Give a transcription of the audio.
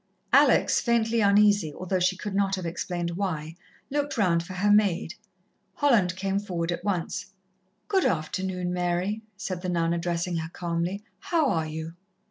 Alex, faintly uneasy, although she could not have explained why, looked round for her maid. Holland came forward at once. "Good afternoon, Mary," said the nun, addressing her calmly. "How are you?"